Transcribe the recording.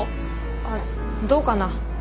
あっどうかな？